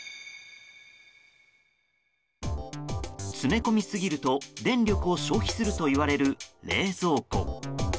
詰め込みすぎると、電力を消費するといわれる冷蔵庫。